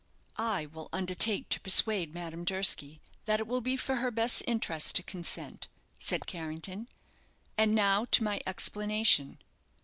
"I will undertake to persuade Madame Durski that it will be for her best interests to consent," said Carrington. "And now to my explanation.